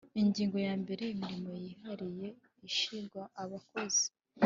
Ingingo ya mbere Imirimo yihariye ishingwa abakozi